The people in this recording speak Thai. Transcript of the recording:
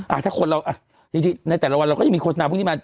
อ่ะถ้าคนเราอ่ะจริงในแต่ละวันเราก็ยังมีโฆษณาพวกนี้มา